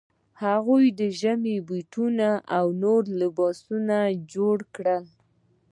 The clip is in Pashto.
هغوی ژمني بوټان او نور لباسونه جوړ کړل.